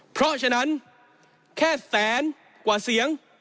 เพราะฉะนั้นแค่แสนกว่าเสียง